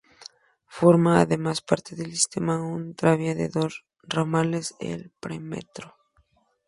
Forma además parte del sistema un tranvía con dos ramales, el Premetro.